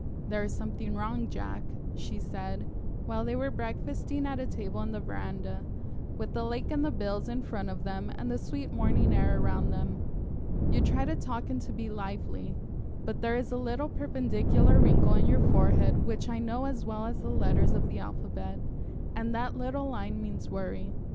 'There is something wrong, Jack,' she said, while they were breakfasting at a table in the verandah, with the lake and the bills in front of them and the sweet morning air around them. 'You try to talk and to be lively, but there is a little perpendicular wrinkle in your forehead which I know as well as the letters of the alphabet, and that little line means worry.